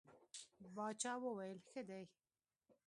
باچا وویل ښه دی.